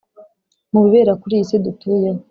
mu bibera kuri iyi si dutuyeho,